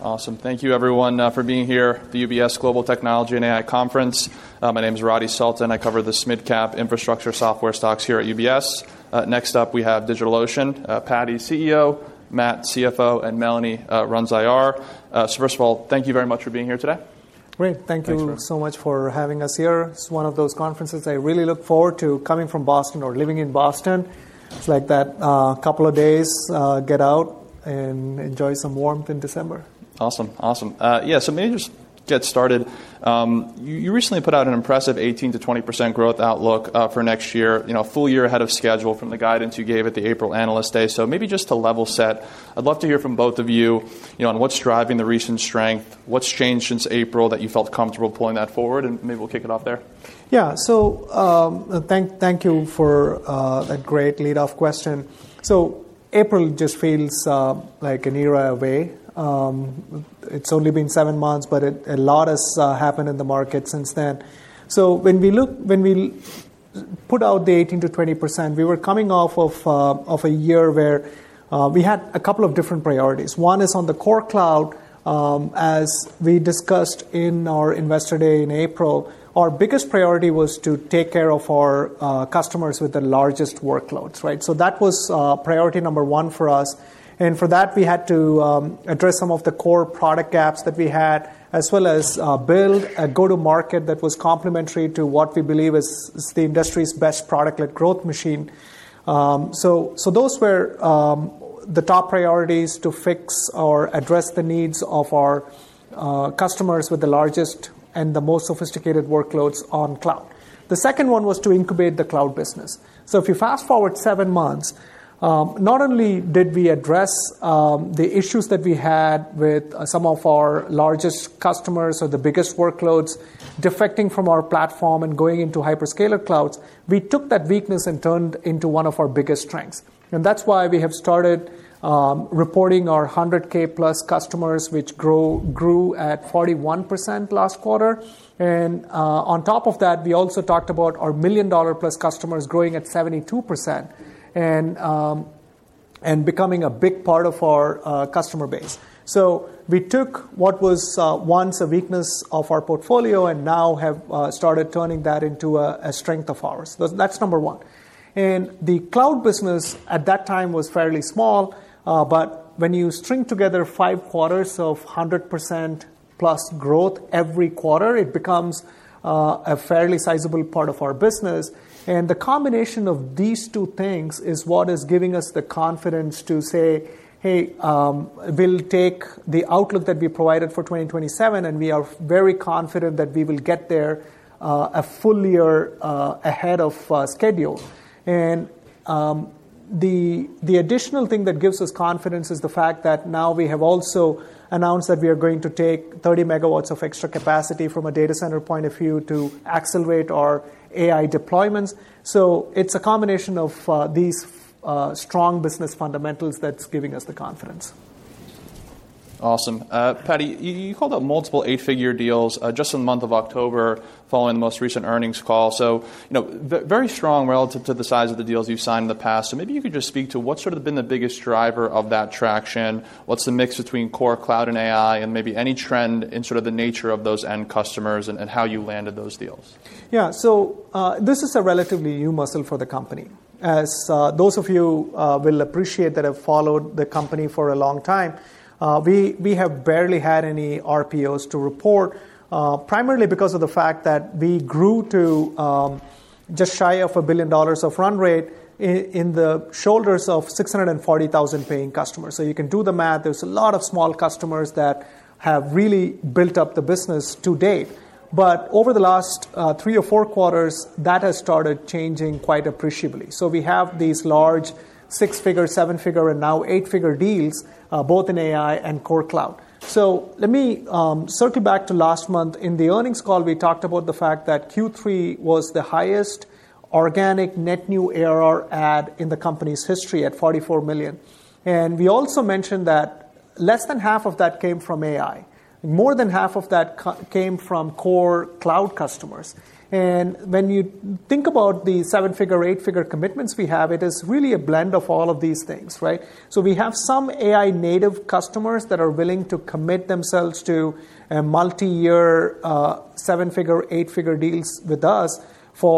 Awesome. Thank you, everyone, for being here at the UBS Global Technology and AI Conference. My name is Radi Sultan. I cover the mid-cap infrastructure software stocks here at UBS. Next up, we have DigitalOcean, Paddy CEO, Matt CFO, and Melanie runs IR. First of all, thank you very much for being here today. Great. Thank you so much for having us here. It's one of those conferences I really look forward to coming from Boston or living in Boston. It's like that couple of days, get out and enjoy some warmth in December. Awesome. Awesome. Yeah, maybe just to get started, you recently put out an impressive 18%-20% growth outlook for next year, a full year ahead of schedule from the guidance you gave at the April Analyst Day. Maybe just to level set, I'd love to hear from both of you on what's driving the recent strength, what's changed since April that you felt comfortable pulling that forward, and maybe we'll kick it off there. Yeah. Thank you for that great lead-off question. April just feels like an era away. It's only been seven months, but a lot has happened in the market since then. When we put out the 18%-20%, we were coming off of a year where we had a couple of different priorities. One is on the core cloud. As we discussed in our Investor Day in April, our biggest priority was to take care of our customers with the largest workloads. That was priority number one for us. For that, we had to address some of the core product gaps that we had, as well as build a go-to-market that was complementary to what we believe is the industry's best product-led growth machine. Those were the top priorities to fix or address the needs of our customers with the largest and the most sophisticated workloads on cloud. The second one was to incubate the cloud business. If you fast forward seven months, not only did we address the issues that we had with some of our largest customers or the biggest workloads defecting from our platform and going into hyperscaler clouds, we took that weakness and turned it into one of our biggest strengths. That is why we have started reporting our 100K plus customers, which grew at 41% last quarter. On top of that, we also talked about our million-dollar plus customers growing at 72% and becoming a big part of our customer base. We took what was once a weakness of our portfolio and now have started turning that into a strength of ours. That is number one. The cloud business at that time was fairly small, but when you string together five quarters of 100%+ growth every quarter, it becomes a fairly sizable part of our business. The combination of these two things is what is giving us the confidence to say, hey, we'll take the outlook that we provided for 2027, and we are very confident that we will get there a full year ahead of schedule. The additional thing that gives us confidence is the fact that now we have also announced that we are going to take 30 MW of extra capacity from a data center point of view to accelerate our AI deployments. It is a combination of these strong business fundamentals that is giving us the confidence. Awesome. Paddy, you called out multiple eight-figure deals just in the month of October following the most recent earnings call. Very strong relative to the size of the deals you've signed in the past. Maybe you could just speak to what's sort of been the biggest driver of that traction? What's the mix between core cloud and AI and maybe any trend in sort of the nature of those end customers and how you landed those deals? Yeah. This is a relatively new muscle for the company. As those of you will appreciate that have followed the company for a long time, we have barely had any RPOs to report, primarily because of the fact that we grew to just shy of a billion dollars of run rate on the shoulders of 640,000 paying customers. You can do the math. There are a lot of small customers that have really built up the business to date. Over the last three or four quarters, that has started changing quite appreciably. We have these large six-figure, seven-figure, and now eight-figure deals, both in AI and core cloud. Let me circle back to last month. In the earnings call, we talked about the fact that Q3 was the highest organic net new ARR add in the company's history at $44 million. We also mentioned that less than half of that came from AI. More than half of that came from core cloud customers. When you think about the seven-figure, eight-figure commitments we have, it is really a blend of all of these things. We have some AI-native customers that are willing to commit themselves to multi-year seven-figure, eight-figure deals with us. The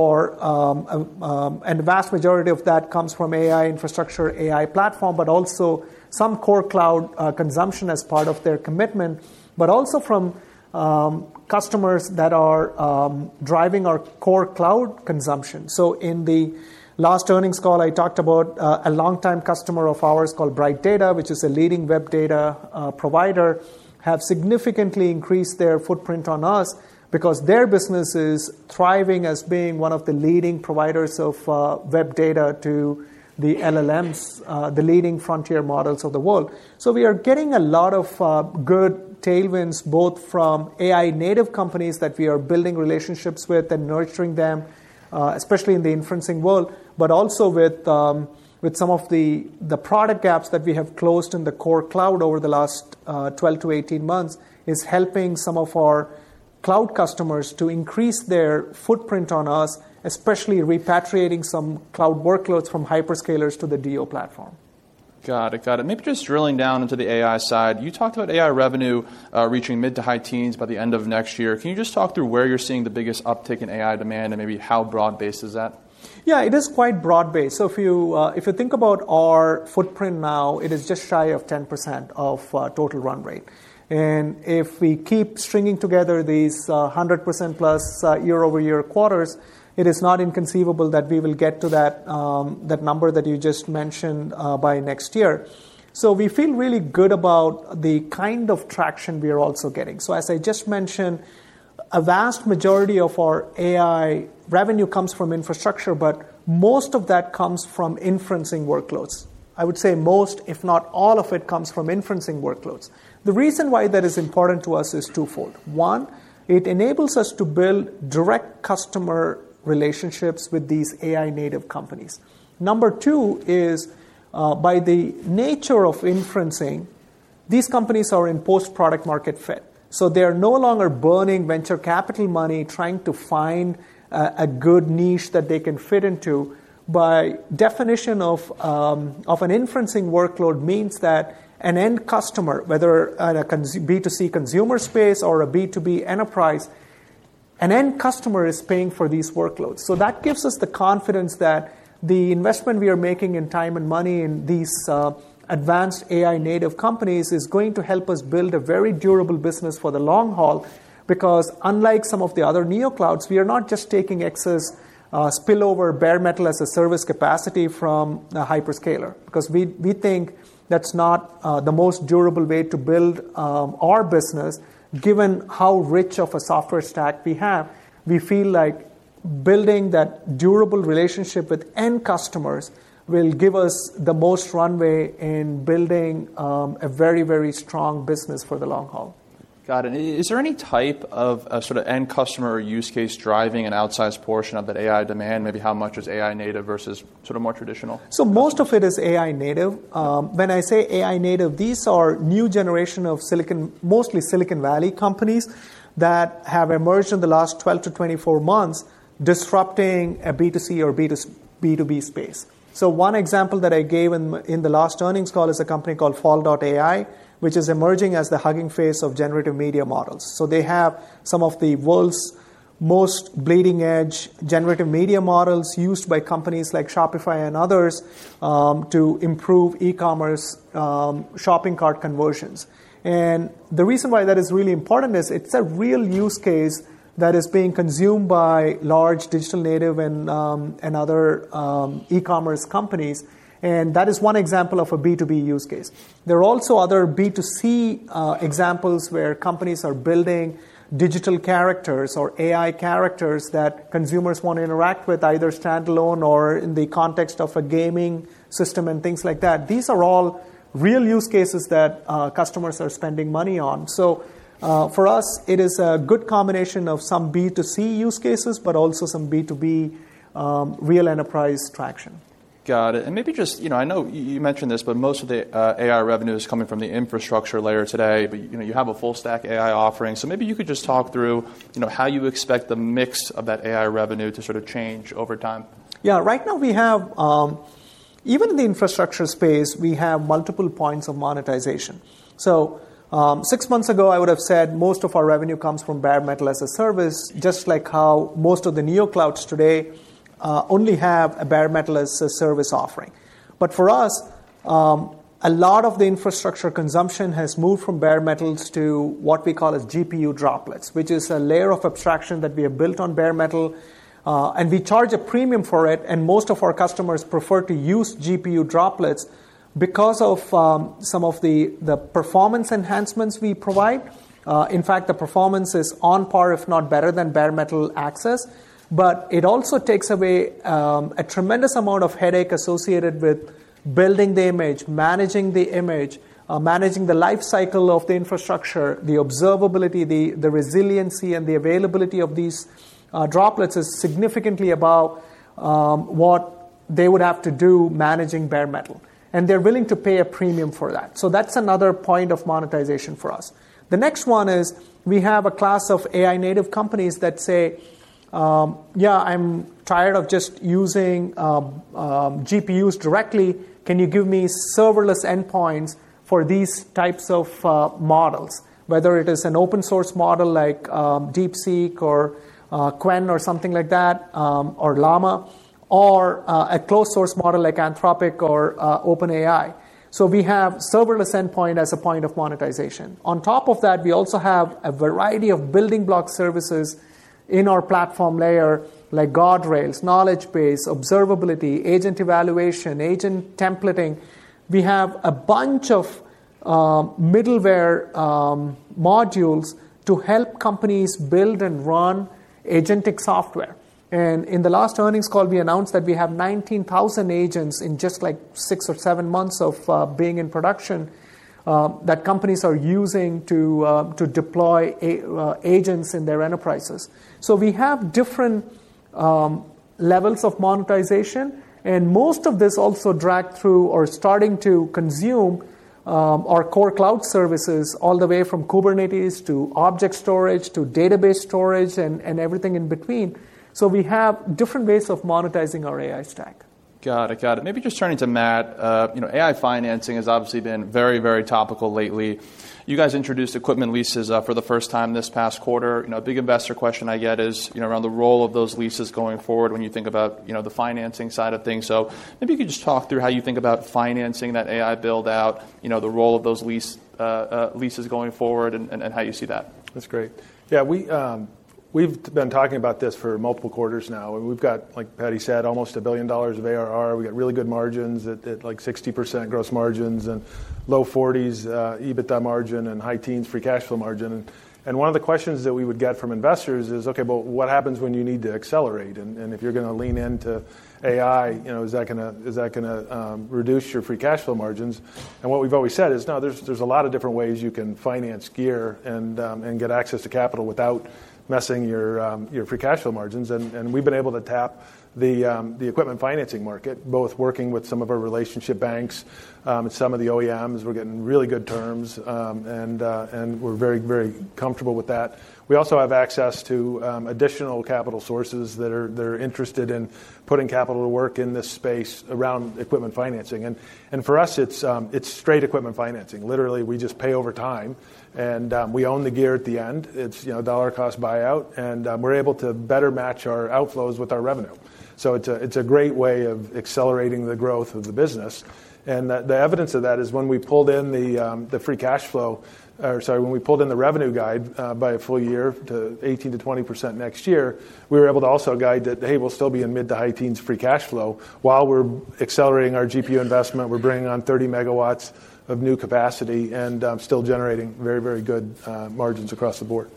vast majority of that comes from AI infrastructure, AI platform, but also some core cloud consumption as part of their commitment, but also from customers that are driving our core cloud consumption. In the last earnings call, I talked about a longtime customer of ours called Bright Data, which is a leading web data provider, has significantly increased their footprint on us because their business is thriving as being one of the leading providers of web data to the LLMs, the leading frontier models of the world. We are getting a lot of good tailwinds, both from AI-native companies that we are building relationships with and nurturing them, especially in the inferencing world, but also with some of the product gaps that we have closed in the core cloud over the last 12 to 18 months, is helping some of our cloud customers to increase their footprint on us, especially repatriating some cloud workloads from hyperscalers to the DO platform. Got it. Got it. Maybe just drilling down into the AI side, you talked about AI revenue reaching mid to high teens by the end of next year. Can you just talk through where you're seeing the biggest uptick in AI demand and maybe how broad-based is that? Yeah, it is quite broad-based. If you think about our footprint now, it is just shy of 10% of total run rate. If we keep stringing together these 100%+ year-over-year quarters, it is not inconceivable that we will get to that number that you just mentioned by next year. We feel really good about the kind of traction we are also getting. As I just mentioned, a vast majority of our AI revenue comes from infrastructure, but most of that comes from inferencing workloads. I would say most, if not all of it, comes from inferencing workloads. The reason why that is important to us is twofold. One, it enables us to build direct customer relationships with these AI-native companies. Number two is, by the nature of inferencing, these companies are in post-product market fit. They are no longer burning venture capital money trying to find a good niche that they can fit into. By definition of an inferencing workload, it means that an end customer, whether in a B2C consumer space or a B2B enterprise, an end customer is paying for these workloads. That gives us the confidence that the investment we are making in time and money in these advanced AI-native companies is going to help us build a very durable business for the long haul because, unlike some of the other NeoClouds, we are not just taking excess spillover Bare Metal-as-a-Service capacity from a hyperscaler. We think that is not the most durable way to build our business. Given how rich of a software stack we have, we feel like building that durable relationship with end customers will give us the most runway in building a very, very strong business for the long haul. Got it. Is there any type of sort of end customer use case driving an outsized portion of that AI demand? Maybe how much is AI-native versus sort of more traditional? Most of it is AI-native. When I say AI-native, these are new generation of mostly Silicon Valley companies that have emerged in the last 12 to 24 months, disrupting a B2C or B2B space. One example that I gave in the last earnings call is a company called Fal.ai, which is emerging as the hugging face of generative media models. They have some of the world's most bleeding-edge generative media models used by companies like Shopify and others to improve e-commerce shopping cart conversions. The reason why that is really important is it is a real use case that is being consumed by large digital native and other e-commerce companies. That is one example of a B2B use case. There are also other B2C examples where companies are building digital characters or AI characters that consumers want to interact with, either standalone or in the context of a gaming system and things like that. These are all real use cases that customers are spending money on. For us, it is a good combination of some B2C use cases, but also some B2B real enterprise traction. Got it. I know you mentioned this, but most of the AI revenue is coming from the infrastructure layer today. You have a full-stack AI offering. Maybe you could just talk through how you expect the mix of that AI revenue to sort of change over time. Yeah. Right now, even in the infrastructure space, we have multiple points of monetization. Six months ago, I would have said most of our revenue comes from Bare Metal-as-a-Service, just like how most of the NeoClouds today only have a Bare Metal-as-a-Service offering. For us, a lot of the infrastructure consumption has moved from bare metals to what we call GPU Droplets, which is a layer of abstraction that we have built on bare metal. We charge a premium for it. Most of our customers prefer to use GPU Droplets because of some of the performance enhancements we provide. In fact, the performance is on par, if not better, than bare metal access. It also takes away a tremendous amount of headache associated with building the image, managing the image, managing the lifecycle of the infrastructure, the observability, the resiliency, and the availability of these droplets is significantly above what they would have to do managing bare metal. They're willing to pay a premium for that. That's another point of monetization for us. The next one is we have a class of AI-native companies that say, yeah, I'm tired of just using GPUs directly. Can you give me serverless endpoints for these types of models, whether it is an open-source model like DeepSeek or Qwen or something like that, or Llama, or a closed-source model like Anthropic or OpenAI? We have serverless endpoint as a point of monetization. On top of that, we also have a variety of building block services in our platform layer, like guardrails, knowledge base, observability, agent evaluation, agent templating. We have a bunch of middleware modules to help companies build and run agentic software. In the last earnings call, we announced that we have 19,000 agents in just like six or seven months of being in production that companies are using to deploy agents in their enterprises. We have different levels of monetization. Most of this also drags through or is starting to consume our core cloud services all the way from Kubernetes to object storage to database storage and everything in between. We have different ways of monetizing our AI stack. Got it. Got it. Maybe just turning to Matt. AI financing has obviously been very, very topical lately. You guys introduced equipment leases for the first time this past quarter. A big investor question I get is around the role of those leases going forward when you think about the financing side of things. Maybe you could just talk through how you think about financing that AI build-out, the role of those leases going forward, and how you see that. That's great. Yeah, we've been talking about this for multiple quarters now. We've got, like Paddy said, almost a billion dollars of ARR. We got really good margins at like 60% gross margins and low 40%s EBITDA margin and high teens free cash flow margin. One of the questions that we would get from investors is, OK, but what happens when you need to accelerate? If you're going to lean into AI, is that going to reduce your free cash flow margins? What we've always said is, no, there's a lot of different ways you can finance gear and get access to capital without messing your free cash flow margins. We've been able to tap the equipment financing market, both working with some of our relationship banks and some of the OEMs. We're getting really good terms. We're very, very comfortable with that. We also have access to additional capital sources that are interested in putting capital to work in this space around equipment financing. For us, it is straight equipment financing. Literally, we just pay over time, and we own the gear at the end. It is dollar-cost buyout, and we are able to better match our outflows with our revenue. It is a great way of accelerating the growth of the business. The evidence of that is when we pulled in the free cash flow, or sorry, when we pulled in the revenue guide by a full year to 18%-20% next year, we were able to also guide that, hey, we will still be in mid to high teens free cash flow while we are accelerating our GPU investment. We are bringing on 30 MW of new capacity and still generating very, very good margins across the board.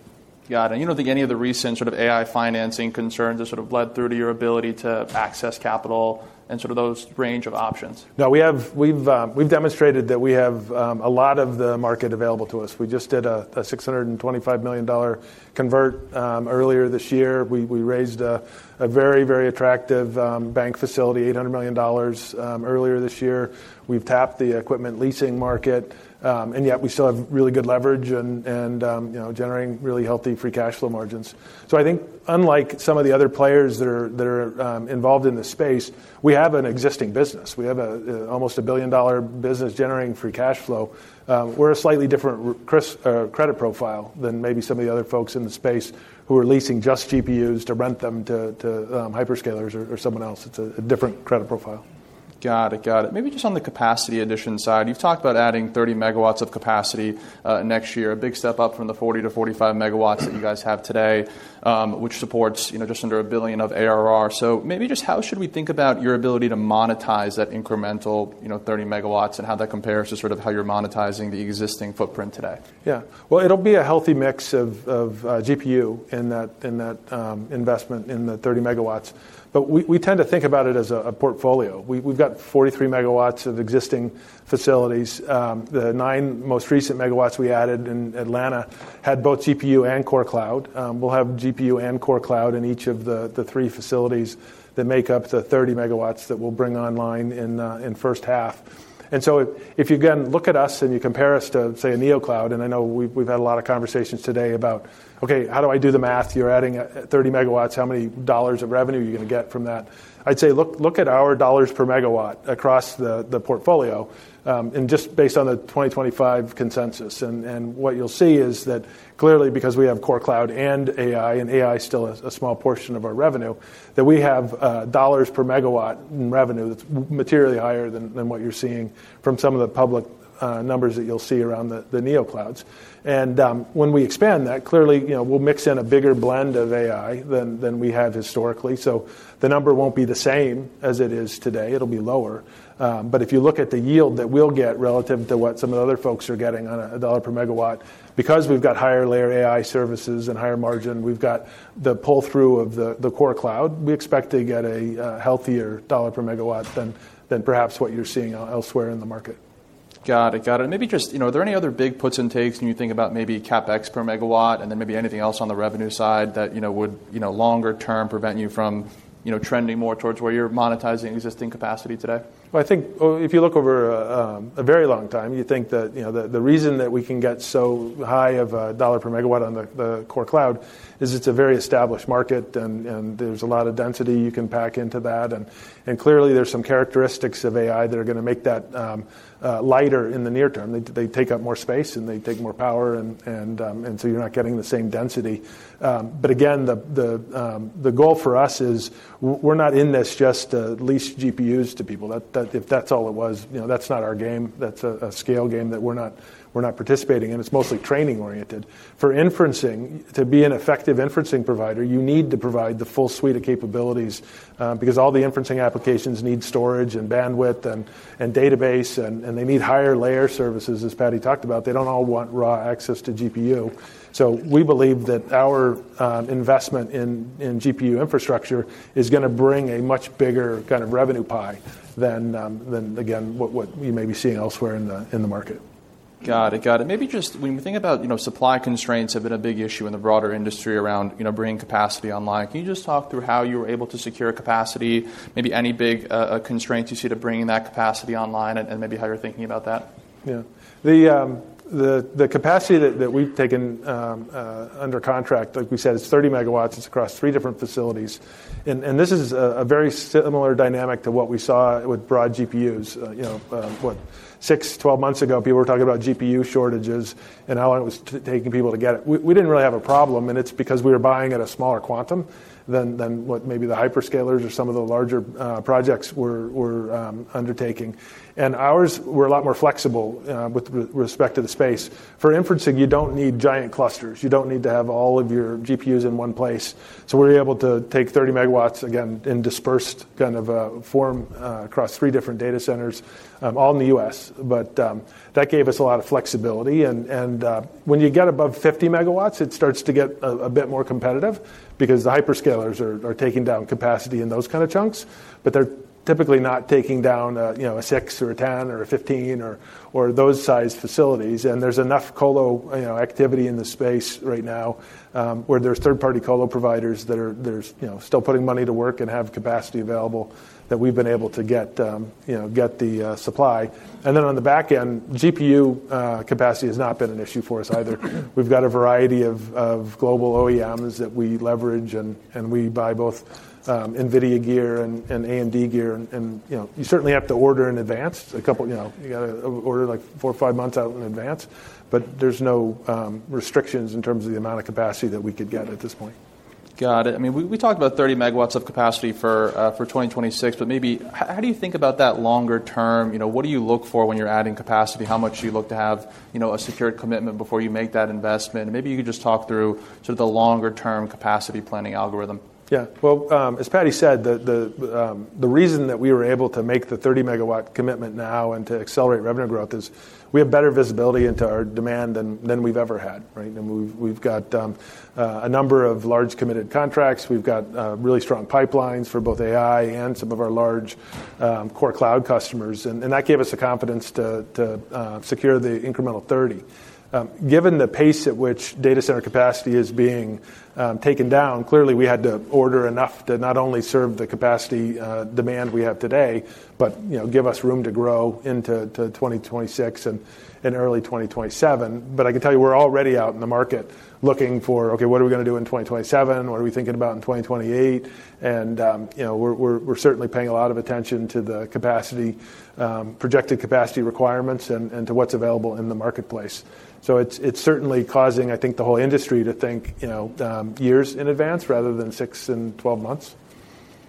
Got it. You do not think any of the recent sort of AI financing concerns have sort of bled through to your ability to access capital and sort of those range of options? No, we've demonstrated that we have a lot of the market available to us. We just did a $625 million convert earlier this year. We raised a very, very attractive bank facility, $800 million earlier this year. We've tapped the equipment leasing market. Yet, we still have really good leverage and generating really healthy free cash flow margins. I think, unlike some of the other players that are involved in this space, we have an existing business. We have almost a billion-dollar business generating free cash flow. We're a slightly different credit profile than maybe some of the other folks in the space who are leasing just GPUs to rent them to hyperscalers or someone else. It's a different credit profile. Got it. Got it. Maybe just on the capacity addition side, you've talked about adding 30 MW of capacity next year, a big step up from the 40 MW-45 MW that you guys have today, which supports just under a billion of ARR. Maybe just how should we think about your ability to monetize that incremental 30 MW and how that compares to sort of how you're monetizing the existing footprint today? Yeah. It'll be a healthy mix of GPU in that investment in the 30 MW. We tend to think about it as a portfolio. We've got 43 MW of existing facilities. The nine most recent megawatts we added in Atlanta had both GPU and Core Cloud. We'll have GPU and Core Cloud in each of the three facilities that make up the 30 MW that we'll bring online in the first half. If you again look at us and you compare us to, say, a NeoCloud, and I know we've had a lot of conversations today about, OK, how do I do the math? You're adding 30 MW. How many dollars of revenue are you going to get from that? I'd say look at our dollars per megawatt across the portfolio and just based on the 2025 consensus. What you'll see is that clearly, because we have Core Cloud and AI, and AI is still a small portion of our revenue, we have dollars per megawatt in revenue that's materially higher than what you're seeing from some of the public numbers that you'll see around the NeoClouds. When we expand that, clearly, we'll mix in a bigger blend of AI than we have historically. The number won't be the same as it is today. It'll be lower. If you look at the yield that we'll get relative to what some of the other folks are getting on a dollar per megawatt, because we've got higher layer AI services and higher margin, we've got the pull-through of the Core Cloud, we expect to get a healthier dollar per megawatt than perhaps what you're seeing elsewhere in the market. Got it. Got it. Maybe just, are there any other big puts and takes when you think about maybe CapEx per megawatt and then maybe anything else on the revenue side that would longer term prevent you from trending more towards where you're monetizing existing capacity today? I think if you look over a very long time, you think that the reason that we can get so high of a dollar per megawatt on the Core Cloud is it's a very established market. There's a lot of density you can pack into that. Clearly, there's some characteristics of AI that are going to make that lighter in the near term. They take up more space, and they take more power. You're not getting the same density. Again, the goal for us is we're not in this just to lease GPUs to people. If that's all it was, that's not our game. That's a scale game that we're not participating in. It's mostly training-oriented. For inferencing, to be an effective inferencing provider, you need to provide the full suite of capabilities because all the inferencing applications need storage and bandwidth and database. They need higher layer services, as Paddy talked about. They do not all want raw access to GPU. We believe that our investment in GPU infrastructure is going to bring a much bigger kind of revenue pie than, again, what you may be seeing elsewhere in the market. Got it. Got it. Maybe just when we think about supply constraints have been a big issue in the broader industry around bringing capacity online, can you just talk through how you were able to secure capacity, maybe any big constraints you see to bringing that capacity online, and maybe how you're thinking about that? Yeah. The capacity that we've taken under contract, like we said, it's 30 MW. It's across three different facilities. This is a very similar dynamic to what we saw with broad GPUs. What, 6, 12 months ago, people were talking about GPU shortages and how long it was taking people to get it. We didn't really have a problem. It's because we were buying at a smaller quantum than what maybe the hyperscalers or some of the larger projects were undertaking. Ours were a lot more flexible with respect to the space. For inferencing, you don't need giant clusters. You don't need to have all of your GPUs in one place. We are able to take 30 MW, again, in dispersed kind of form across three different data centers, all in the U.S. That gave us a lot of flexibility. When you get above 50 MW, it starts to get a bit more competitive because the hyperscalers are taking down capacity in those kind of chunks. They're typically not taking down a 6 or a 10 or a 15 or those size facilities. There's enough colo activity in the space right now where there's third-party colo providers that are still putting money to work and have capacity available that we've been able to get the supply. On the back end, GPU capacity has not been an issue for us either. We've got a variety of global OEMs that we leverage. We buy both NVIDIA gear and AMD gear. You certainly have to order in advance. You got to order like four or five months out in advance. There are no restrictions in terms of the amount of capacity that we could get at this point. Got it. I mean, we talked about 30 MW of capacity for 2026. Maybe how do you think about that longer term? What do you look for when you're adding capacity, how much do you look to have a secured commitment before you make that investment? Maybe you could just talk through sort of the longer-term capacity planning algorithm. Yeah. As Paddy said, the reason that we were able to make the 30 MW commitment now and to accelerate revenue growth is we have better visibility into our demand than we've ever had. We've got a number of large committed contracts. We've got really strong pipelines for both AI and some of our large Core Cloud customers. That gave us the confidence to secure the incremental 30. Given the pace at which data center capacity is being taken down, clearly, we had to order enough to not only serve the capacity demand we have today, but give us room to grow into 2026 and early 2027. I can tell you we're already out in the market looking for, OK, what are we going to do in 2027? What are we thinking about in 2028? We're certainly paying a lot of attention to the projected capacity requirements and to what's available in the marketplace. It is certainly causing, I think, the whole industry to think years in advance rather than 6 and 12 months.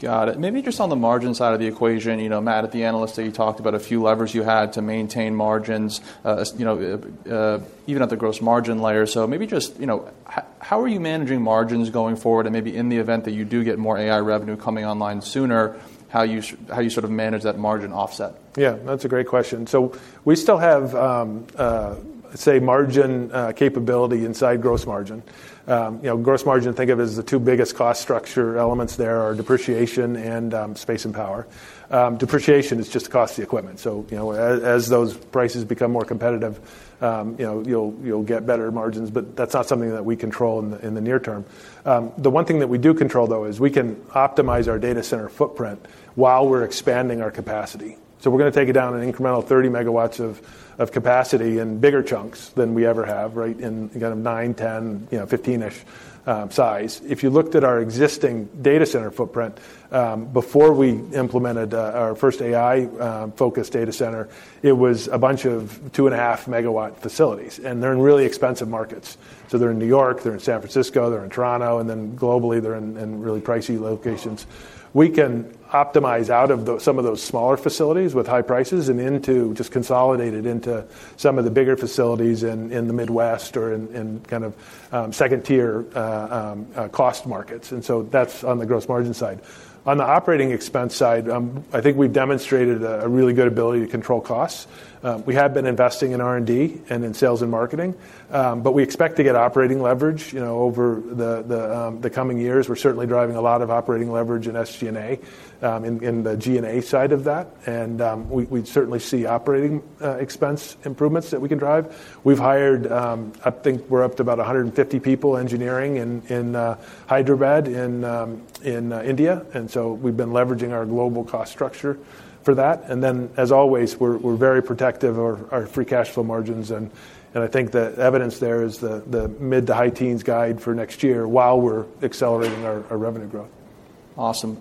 Got it. Maybe just on the margin side of the equation, Matt, at the analyst, you talked about a few levers you had to maintain margins even at the gross margin layer. Maybe just how are you managing margins going forward? Maybe in the event that you do get more AI revenue coming online sooner, how you sort of manage that margin offset? Yeah, that's a great question. We still have, say, margin capability inside gross margin. Gross margin, think of it as the two biggest cost structure elements there are depreciation and space and power. Depreciation is just the cost of the equipment. As those prices become more competitive, you'll get better margins. That's not something that we control in the near term. The one thing that we do control, though, is we can optimize our data center footprint while we're expanding our capacity. We're going to take it down an incremental 30 MW of capacity in bigger chunks than we ever have, right, in kind of 9, 10, 15-ish size. If you looked at our existing data center footprint, before we implemented our first AI-focused data center, it was a bunch of 2.5 MW facilities. They're in really expensive markets. They're in New York. They're in San Francisco. They're in Toronto. And then globally, they're in really pricey locations. We can optimize out of some of those smaller facilities with high prices and just consolidate it into some of the bigger facilities in the Midwest or in kind of second-tier cost markets. That's on the gross margin side. On the operating expense side, I think we've demonstrated a really good ability to control costs. We have been investing in R&D and in sales and marketing. We expect to get operating leverage over the coming years. We're certainly driving a lot of operating leverage in SG&A in the G&A side of that. We certainly see operating expense improvements that we can drive. We've hired, I think we're up to about 150 people engineering in Hyderabad in India. We have been leveraging our global cost structure for that. As always, we are very protective of our free cash flow margins. I think the evidence there is the mid to high teens guide for next year while we are accelerating our revenue growth. Awesome.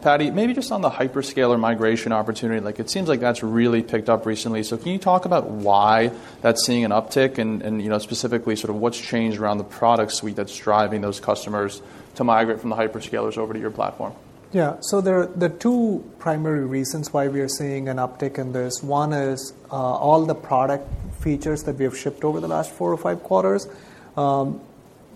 Paddy, maybe just on the hyperscaler migration opportunity, it seems like that's really picked up recently. Can you talk about why that's seeing an uptick and specifically sort of what's changed around the product suite that's driving those customers to migrate from the hyperscalers over to your platform? Yeah. There are two primary reasons why we are seeing an uptick in this. One is all the product features that we have shipped over the last four or five quarters.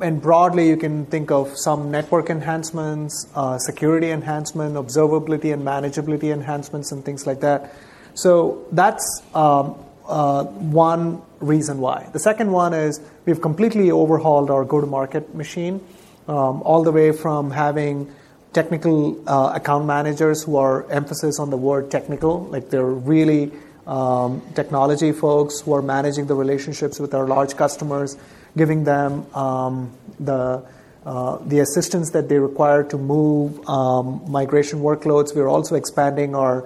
Broadly, you can think of some network enhancements, security enhancement, observability and manageability enhancements, and things like that. That is one reason why. The second one is we've completely overhauled our go-to-market machine all the way from having technical account managers who are, emphasis on the word technical, they're really technology folks who are managing the relationships with our large customers, giving them the assistance that they require to move migration workloads. We're also expanding our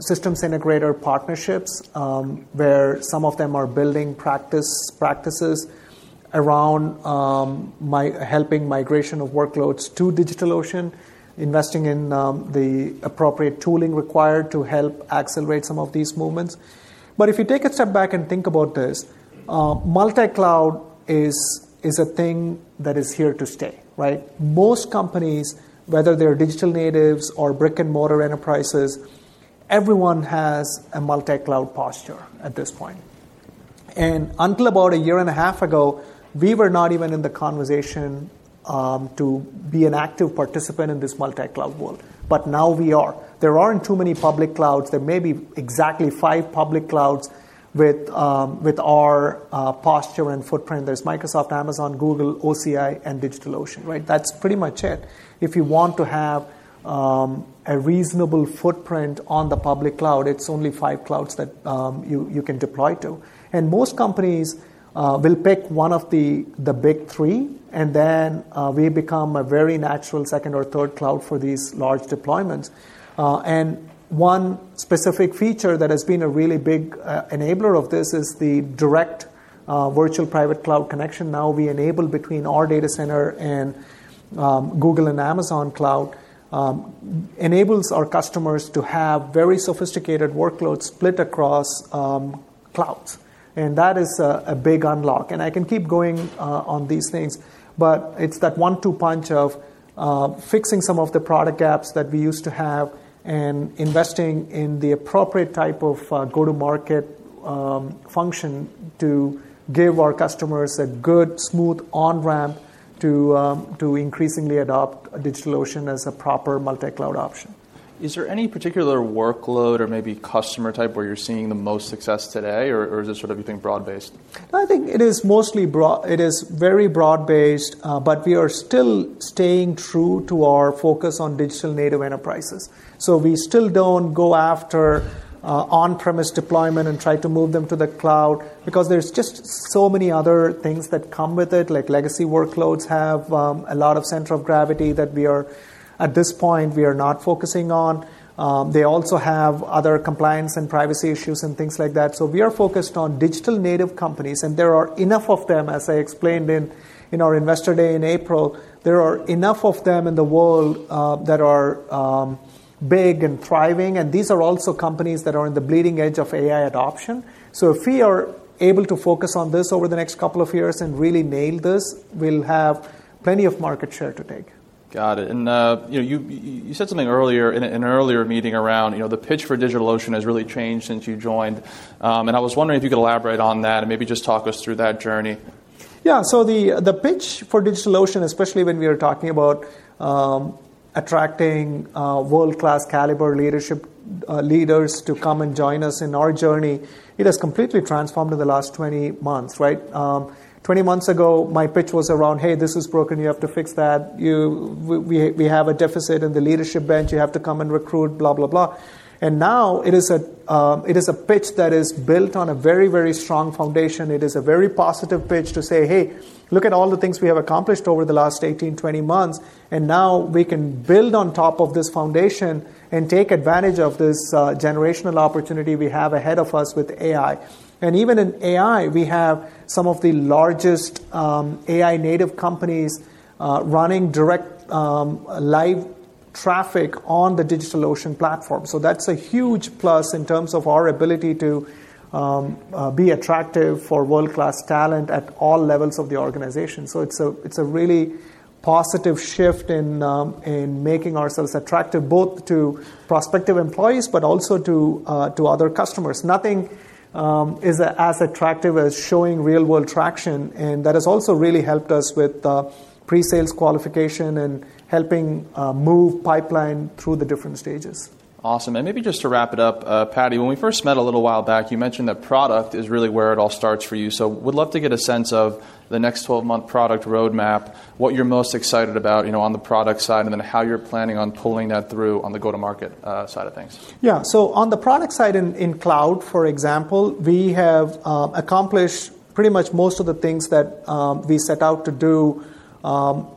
systems integrator partnerships where some of them are building practices around helping migration of workloads to DigitalOcean, investing in the appropriate tooling required to help accelerate some of these movements. If you take a step back and think about this, multi-cloud is a thing that is here to stay. Most companies, whether they're digital natives or brick-and-mortar enterprises, everyone has a multi-cloud posture at this point. Until about a year and a half ago, we were not even in the conversation to be an active participant in this multi-cloud world. Now we are. There are not too many public clouds. There may be exactly five public clouds with our posture and footprint. There is Microsoft, Amazon, Google, OCI, and DigitalOcean. That is pretty much it. If you want to have a reasonable footprint on the public cloud, it is only five clouds that you can deploy to. Most companies will pick one of the big three. Then we become a very natural second or third cloud for these large deployments. One specific feature that has been a really big enabler of this is the Direct Virtual Private Cloud Connection. Now we enable between our data center and Google and Amazon cloud, which enables our customers to have very sophisticated workloads split across clouds. That is a big unlock. I can keep going on these things. It is that one-two punch of fixing some of the product gaps that we used to have and investing in the appropriate type of go-to-market function to give our customers a good, smooth on-ramp to increasingly adopt DigitalOcean as a proper multi-cloud option. Is there any particular workload or maybe customer type where you're seeing the most success today? Or is it sort of you think broad-based? I think it is mostly broad. It is very broad-based. We are still staying true to our focus on digital native enterprises. We still do not go after on-premise deployment and try to move them to the cloud because there are just so many other things that come with it, like legacy workloads have a lot of center of gravity that at this point we are not focusing on. They also have other compliance and privacy issues and things like that. We are focused on digital native companies. There are enough of them, as I explained in our investor day in April. There are enough of them in the world that are big and thriving. These are also companies that are on the bleeding edge of AI adoption. If we are able to focus on this over the next couple of years and really nail this, we'll have plenty of market share to take. Got it. You said something earlier in an earlier meeting around the pitch for DigitalOcean has really changed since you joined. I was wondering if you could elaborate on that and maybe just talk us through that journey. Yeah. The pitch for DigitalOcean, especially when we are talking about attracting world-class caliber leaders to come and join us in our journey, it has completely transformed in the last 20 months. Twenty months ago, my pitch was around, hey, this is broken. You have to fix that. We have a deficit in the leadership bench. You have to come and recruit, blah, blah, blah. Now it is a pitch that is built on a very, very strong foundation. It is a very positive pitch to say, hey, look at all the things we have accomplished over the last 18, 20 months. Now we can build on top of this foundation and take advantage of this generational opportunity we have ahead of us with AI. Even in AI, we have some of the largest AI native companies running direct live traffic on the DigitalOcean platform. That is a huge plus in terms of our ability to be attractive for world-class talent at all levels of the organization. It is a really positive shift in making ourselves attractive both to prospective employees but also to other customers. Nothing is as attractive as showing real-world traction. That has also really helped us with the pre-sales qualification and helping move pipeline through the different stages. Awesome. Maybe just to wrap it up, Paddy, when we first met a little while back, you mentioned that product is really where it all starts for you. We'd love to get a sense of the next 12-month product roadmap, what you're most excited about on the product side, and then how you're planning on pulling that through on the go-to-market side of things. Yeah. On the product side in cloud, for example, we have accomplished pretty much most of the things that we set out to do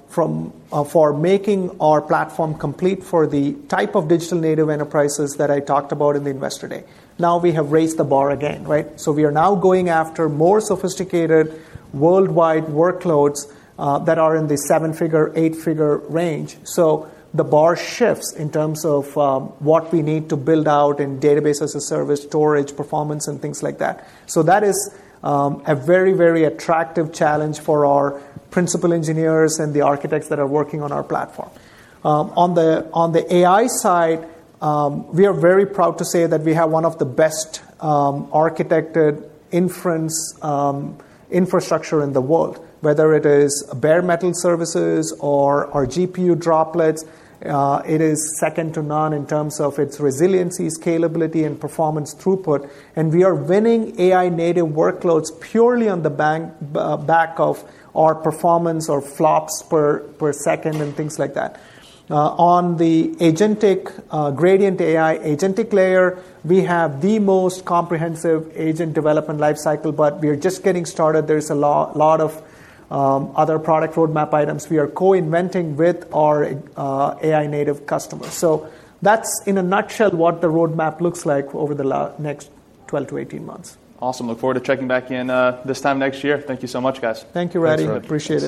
for making our platform complete for the type of digital native enterprises that I talked about in the investor day. Now we have raised the bar again. We are now going after more sophisticated worldwide workloads that are in the seven-figure, eight-figure range. The bar shifts in terms of what we need to build out in database as a service, storage, performance, and things like that. That is a very, very attractive challenge for our principal engineers and the architects that are working on our platform. On the AI side, we are very proud to say that we have one of the best architected inference infrastructure in the world. Whether Bare Metal Services or our GPU Droplets, it is second to none in terms of its resiliency, scalability, and performance throughput. We are winning AI native workloads purely on the back of our performance or FLOPS per second and things like that. On the agentic gradient AI agentic layer, we have the most comprehensive agent development life cycle. We are just getting started. There are a lot of other product roadmap items we are co-inventing with our AI native customers. That is, in a nutshell, what the roadmap looks like over the next 12 to 18 months. Awesome. Look forward to checking back in this time next year. Thank you so much, guys. Thank you, Radi. Appreciate it.